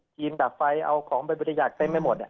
ดับไฟเอาของไปบริจาคเต็มไปหมด